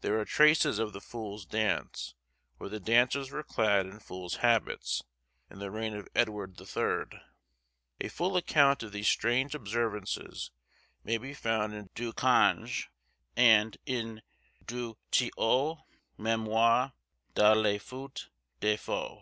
There are traces of the fool's dance, where the dancers were clad in fool's habits, in the reign of Edward the Third. A full account of these strange observances may be found in Ducange, and in Du Tilliot's Mémoires de la Fête des Foux.